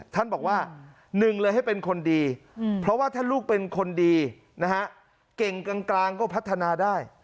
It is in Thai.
ท่านบอกว่าหนึ่งเลยให้เป็นคนดีเพราะว่าถ้าลูกเป็นคนดีนะฮะเก่งกลางก็พัฒนาได้